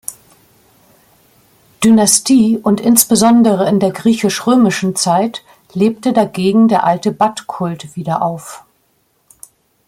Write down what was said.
Dynastie und insbesondere in der griechisch-römischen Zeit lebte dagegen der alte Bat-Kult wieder auf.